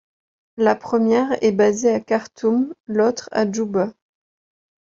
La première est basée à Khartoum, l'autre à Djouba.